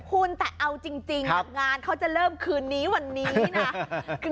คุณแต่เอาจริงงานเขาจะเริ่มคืนนี้วันนี้นะ